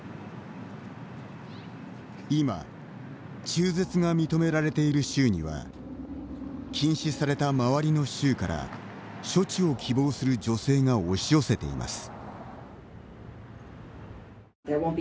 今、中絶が認められている州には禁止された周りの州から処置を希望する女性が押し寄せています。